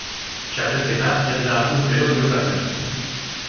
Txapelketa ez da urtero jokatzen.